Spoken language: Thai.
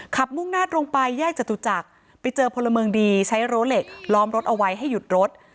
ขับมุงนาดลงไปแยกจตุจักรไปเจอพลเมิงดีใช้โรเล็กล้อมรถเอาไว้ให้หยุดรถ